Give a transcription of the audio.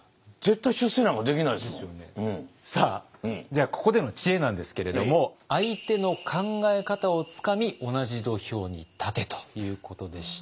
じゃあここでの知恵なんですけれども「相手の考え方をつかみ同じ土俵に立て」ということでした。